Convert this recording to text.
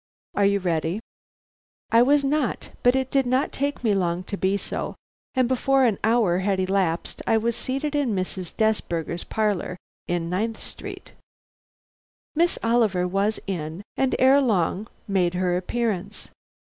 Are you ready?" I was not, but it did not take me long to be so, and before an hour had elapsed I was seated in Mrs. Desberger's parlor in Ninth Street. Miss Oliver was in, and ere long made her appearance.